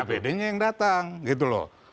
apd nya yang datang gitu loh